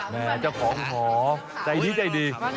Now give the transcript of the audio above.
แม่เจ้าของท็อคใจทิศใดดี